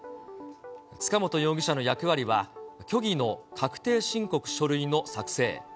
塚本容疑者の役割は、虚偽の確定申告書類の作成。